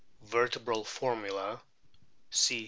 Vertebral formula : C.